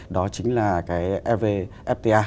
đó chính là cái evfta